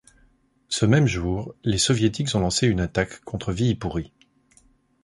Ce même jour, les Soviétiques ont lancé une attaque contre Viipuri.